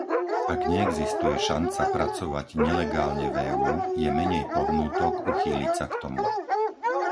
Ak neexistuje šanca pracovať nelegálne v EÚ, je menej pohnútok uchýliť sa k tomu.